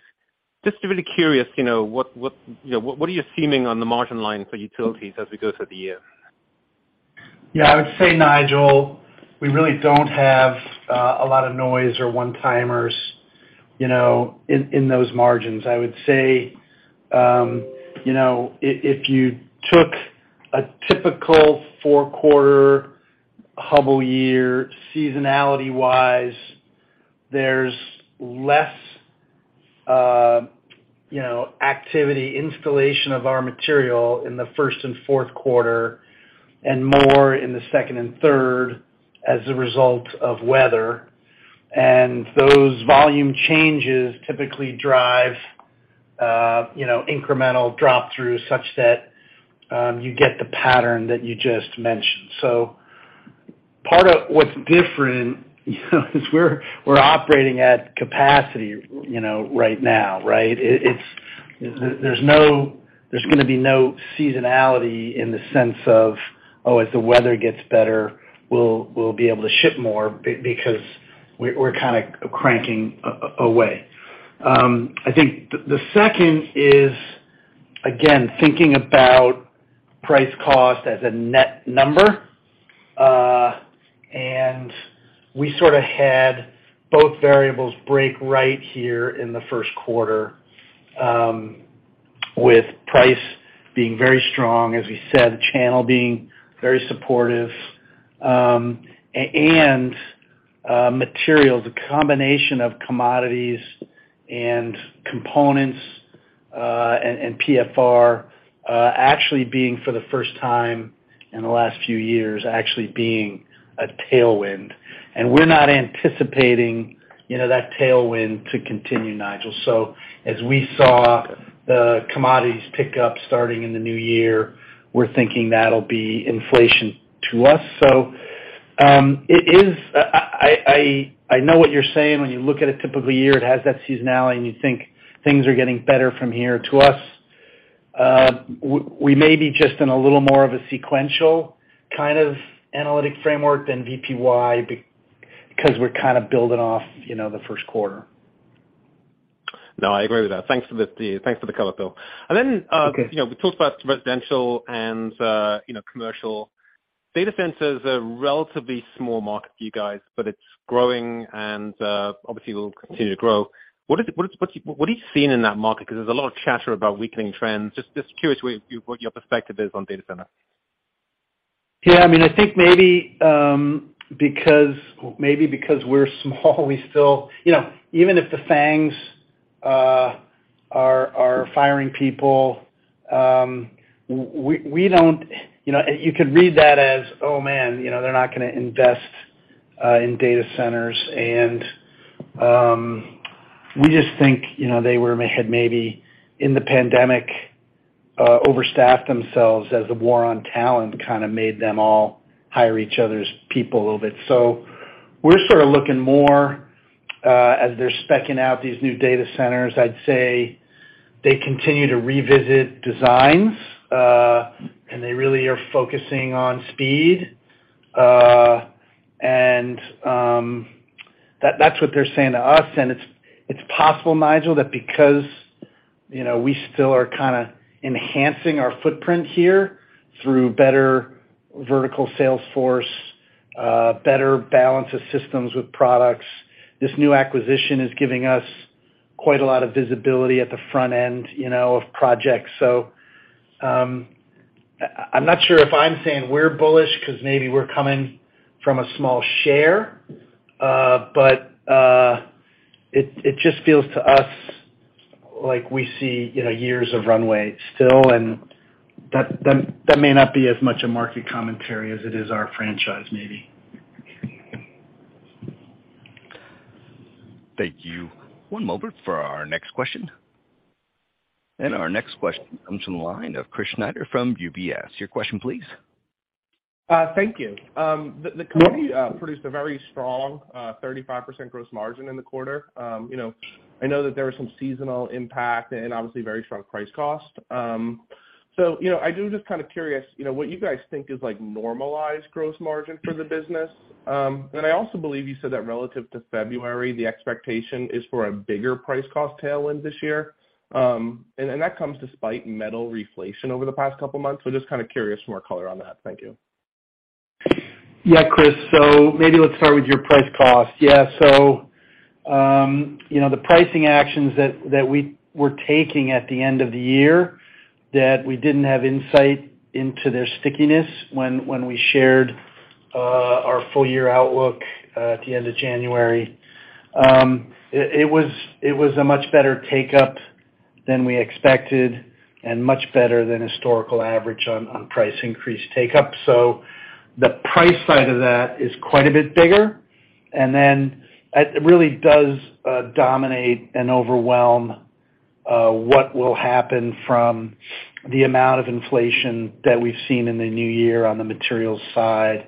Just really curious, you know, what, you know, what are you assuming on the margin line for utilities as we go through the year? Yeah, I would say, Nigel, we really don't have a lot of noise or one-timers, you know, in those margins. I would say, you know, if you took a typical 4 quarter Hubbell year seasonality-wise, there's less, you know, activity installation of our material in the 1st and 4th quarter, and more in the 2nd and 3rd as a result of weather. Those volume changes typically drive, you know, incremental drop-through such that you get the pattern that you just mentioned. Part of what's different, you know, is we're operating at capacity, you know, right now, right? There's gonna be no seasonality in the sense of, oh, as the weather gets better, we'll be able to ship more because we're kinda cranking away. I think the second is, again, thinking about price cost as a net number. We sorta had both variables break right here in the first quarter, with price being very strong, as we said, channel being very supportive. Materials, a combination of commodities and components, and PFR, actually being for the first time in the last few years, actually being a tailwind. We're not anticipating, you know, that tailwind to continue, Nigel. As we saw the commodities pick up starting in the new year, we're thinking that'll be inflation to us. It is. I know what you're saying when you look at a typical year, it has that seasonality, and you think things are getting better from here. To us, we may be just in a little more of a sequential kind of analytic framework than VPY because we're kinda building off, you know, the first quarter. No, I agree with that. Thanks for the color, Bill. Okay. You know, we talked about residential and, you know, commercial. Data centers are a relatively small market for you guys, but it's growing and, obviously will continue to grow. What are you seeing in that market? 'Cause there's a lot of chatter about weakening trends. Just curious what your perspective is on data center. Yeah, I mean, I think maybe, because, maybe because we're small, we still. You know, even if the FANGs are firing people, we don't. You know, you could read that as, "Oh, man, you know, they're not gonna invest in data centers." We just think, you know, they had maybe in the pandemic, overstaffed themselves as the war on talent kinda made them all hire each other's people a little bit. We're sorta looking more, as they're speccing out these new data centers. I'd say they continue to revisit designs, and they really are focusing on speed. That's what they're saying to us. It's, it's possible, Nigel, that because, you know, we still are kinda enhancing our footprint here through better vertical sales force, better balance of systems with products. This new acquisition is giving us quite a lot of visibility at the front end, you know, of projects. I'm not sure if I'm saying we're bullish 'cause maybe we're coming from a small share, but it just feels to us like we see, you know, years of runway still, and that may not be as much a market commentary as it is our franchise, maybe. Thank you. One moment for our next question. Our next question comes from the line of Chris Snyder from UBS. Your question please. Thank you. The company produced a very strong, 35% gross margin in the quarter. You know, I know that there was some seasonal impact and obviously very strong price cost. You know, I do just kind of curious, you know, what you guys think is like normalized gross margin for the business. I also believe you said that relative to February, the expectation is for a bigger price cost tailwind this year. That comes despite metal reflation over the past couple months. Just kinda curious for more color on that. Thank you. Chris. Maybe let's start with your price cost. You know, the pricing actions that we were taking at the end of the year, that we didn't have insight into their stickiness when we shared our full year outlook at the end of January, it was a much better take-up than we expected and much better than historical average on price increase take up. The price side of that is quite a bit bigger. It really does dominate and overwhelm what will happen from the amount of inflation that we've seen in the new year on the materials side.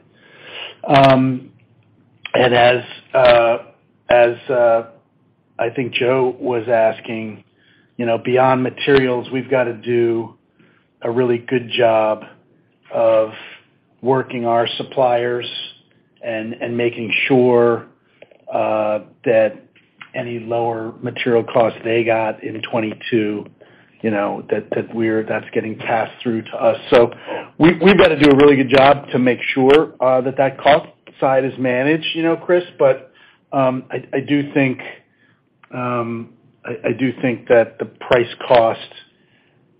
As I think Joe was asking, you know, beyond materials, we've got to do a really good job of working our suppliers and making sure that any lower material costs they got in 2022, you know, that's getting passed through to us. We've got to do a really good job to make sure that cost side is managed, you know, Chris. I do think I do think that the price cost,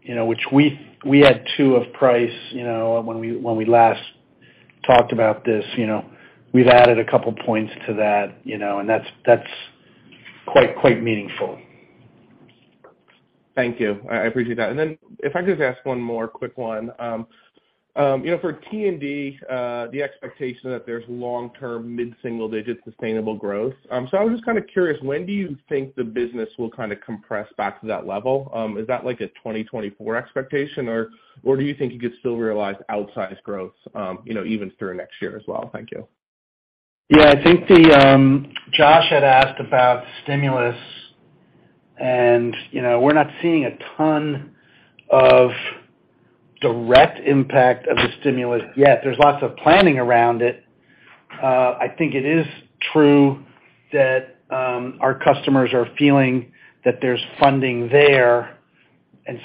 you know, which we had two of price, you know, when we last talked about this, you know, we've added a couple points to that, you know, and that's quite meaningful. Thank you. I appreciate that. If I could just ask one more quick one. you know, for T&D, the expectation that there's long-term mid-single digit sustainable growth. I'm just kind of curious, when do you think the business will kind of compress back to that level? Is that like a 2024 expectation, or do you think you could still realize outsized growth, you know, even through next year as well? Thank you. Yeah, I think the Josh had asked about stimulus. You know, we're not seeing a ton of direct impact of the stimulus yet. There's lots of planning around it. I think it is true that our customers are feeling that there's funding there.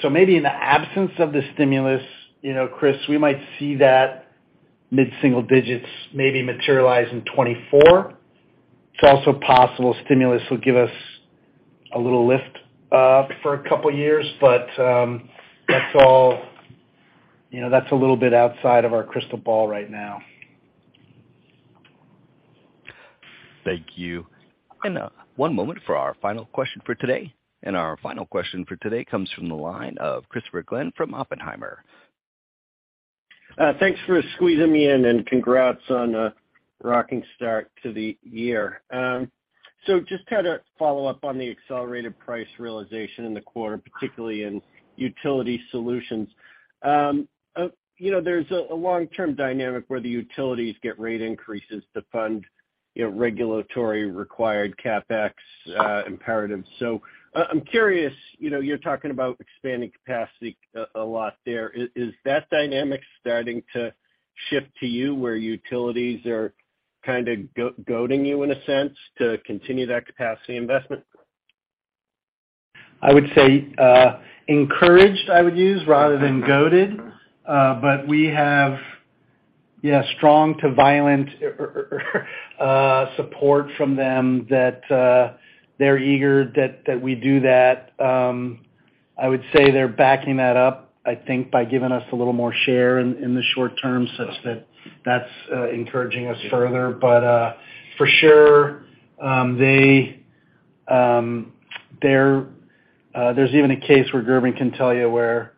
Maybe in the absence of the stimulus, you know, Chris, we might see that mid-single digits maybe materialize in 2024. It's also possible stimulus will give us a little lift for a couple of years. That's all, you know, that's a little bit outside of our crystal ball right now. Thank you. One moment for our final question for today. Our final question for today comes from the line of Christopher Glynn from Oppenheimer. Thanks for squeezing me in, and congrats on a rocking start to the year. Just to kind of follow up on the accelerated price realization in the quarter, particularly in utility solutions. You know, there's a long-term dynamic where the utilities get rate increases to fund, you know, regulatory required CapEx imperatives. I'm curious, you know, you're talking about expanding capacity a lot there. Is that dynamic starting to shift to you, where utilities are kind of go-goading you in a sense to continue that capacity investment? I would say encouraged, I would use rather than goaded. We have, yeah, strong to violent support from them that they're eager that we do that. I would say they're backing that up, I think, by giving us a little more share in the short term, such that that's encouraging us further. For sure, they're. There's even a case where Gerben can tell you where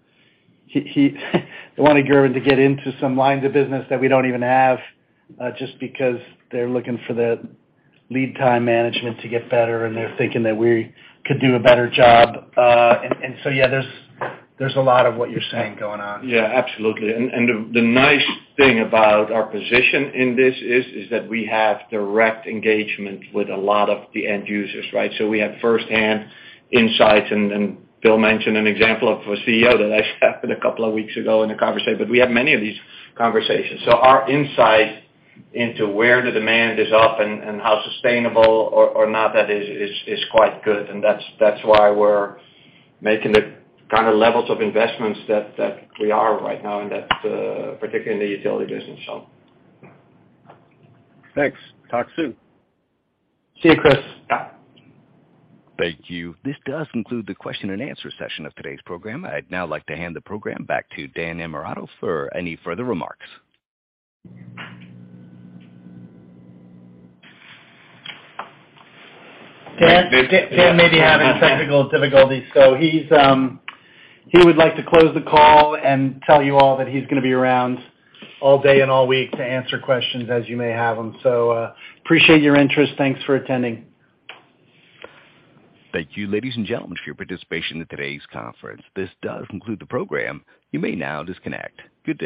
he wanted Gerben to get into some lines of business that we don't even have, just because they're looking for the lead time management to get better, and they're thinking that we could do a better job. Yeah, there's a lot of what you're saying going on. Yeah, absolutely. The nice thing about our position in this is that we have direct engagement with a lot of the end users, right? We have first hand insights. Bill mentioned an example of a CEO that I just had a couple of weeks ago in a conversation, but we have many of these conversations. Our insight into where the demand is up and how sustainable or not that is quite good, and that's why we're making the kind of levels of investments that we are right now in that particularly in the utility business, so. Thanks. Talk soon. See you, Chris. Yeah. Thank you. This does conclude the question and answer session of today's program. I'd now like to hand the program back to Dan Innamorato for any further remarks. Dan? Dan may be having technical difficulties, so he's, he would like to close the call and tell you all that he's gonna be around all day and all week to answer questions as you may have them. Appreciate your interest. Thanks for attending. Thank you, ladies and gentlemen, for your participation in today's conference. This does conclude the program. You may now disconnect. Good day.